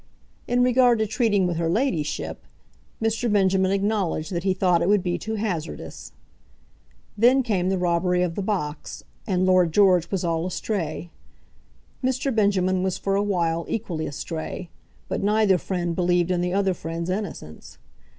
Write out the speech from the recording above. In regard to treating with her ladyship, Mr. Benjamin acknowledged that he thought it would be too hazardous. Then came the robbery of the box, and Lord George was all astray. Mr. Benjamin was for a while equally astray, but neither friend believed in the other friend's innocence.